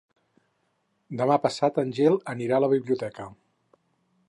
Demà passat en Gil anirà a la biblioteca.